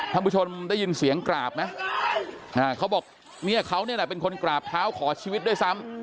ท่านผู้ชมได้ยินเสียงกราบไหมเขาบอกเนี่ยเขานี่แหละเป็นคนกราบเท้าขอชีวิตด้วยซ้ำ